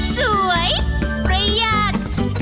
สวยประหยัด